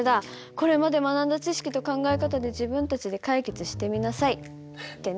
これまで学んだ知識と考え方で自分たちで解決してみなさい」ってね。